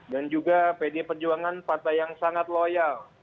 dan juga pdp perjuangan partai yang sangat loyal